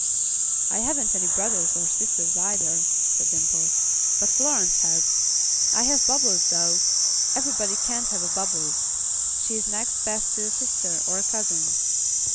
"I haven't any brothers, or sisters either," said Dimple, "but Florence has. I have Bubbles, though. Everybody can't have a Bubbles; she is next best to a sister, or a cousin."